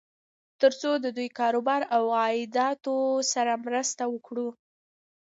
تر څو د دوی کار و بار او عایداتو سره مرسته وکړو.